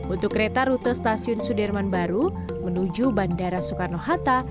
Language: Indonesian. untuk kereta rute stasiun sudirman baru menuju bandara soekarno hatta